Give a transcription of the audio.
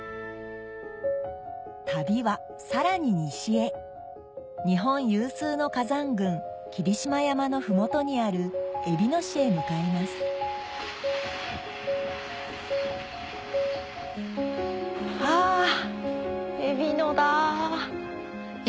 旅はさらに西へ日本有数の火山群霧島山の麓にあるえびの市へ向かいますあえびのだ。